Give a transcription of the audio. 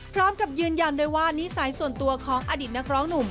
พร้อมกับยืนยันด้วยว่านิสัยส่วนตัวของอดีตนักร้องหนุ่ม